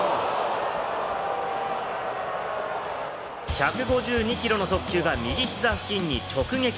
１５２キロの速球が右ひざ付近に直撃。